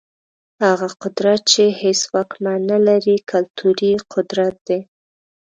هغه قدرت چي هيڅ واکمن نلري، کلتوري قدرت دی.